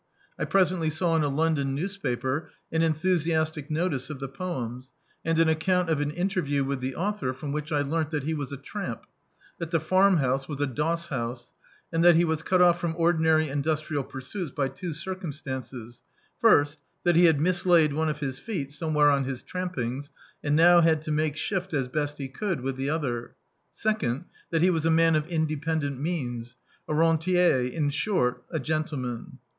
I presently ^w in a London newspaper an enthusiastic notice of the poems, and an account of an interview with iht au thor, from which I learnt that he was a tramp; that "the farm house" was a dosshouse; and that he was cut off from ordinary industrial pursuits by two circumstances: first, that he had mislaid one of his feet somewhere on his tramping, and now had to make shift as best he could with the other; second, that he was a man of independent means — a rentier — in short, a gentleman.